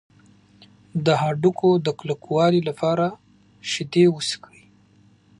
د هډوکو د کلکوالي لپاره شیدې وڅښئ.